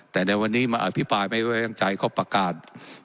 แต่ในวันนี้มาอภิปรายไม่ไว้วางใจเขาประกาศ